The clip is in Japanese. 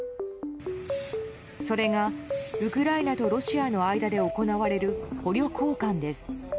それが、ウクライナとロシアの間で行われる捕虜交換です。